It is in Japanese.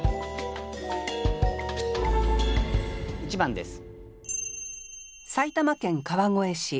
１番です。